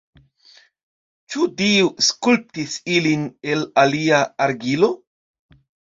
Ĉu Dio skulptis ilin el alia argilo?